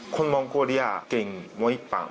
คนมงกวเรียเก่งม้อยปรำ